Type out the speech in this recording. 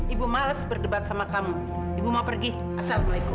ibu males berdebat sama kamu ibu mau pergi assalamualaikum